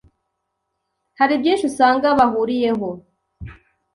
hari byinshi usanga bahuriyeho.